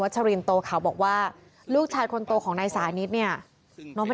ชรินโตเขาบอกว่าลูกชายคนโตของนายสานิทเนี่ยน้องเป็น